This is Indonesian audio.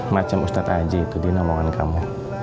macem ustadz ajih itu dinomongan kamu